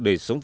để sống vật